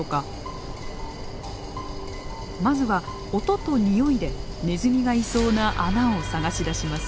まずは音と臭いでネズミがいそうな穴を探し出します。